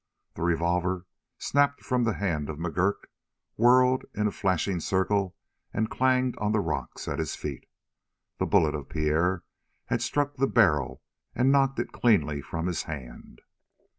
The revolver snapped from the hand of McGurk, whirled in a flashing circle, and clanged on the rocks at his feet. The bullet of Pierre had struck the barrel and knocked it cleanly from his hand.